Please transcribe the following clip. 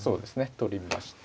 取りまして。